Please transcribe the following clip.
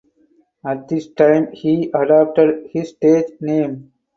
At this time he adopted his stage name.